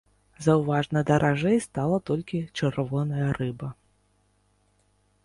Заўважна даражэй стала толькі чырвоная рыба.